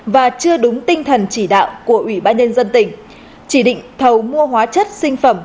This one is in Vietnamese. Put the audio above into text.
và chưa đúng tinh thần chỉ đạo của ủy ban nhân dân tỉnh chỉ định thầu mua hóa chất sinh phẩm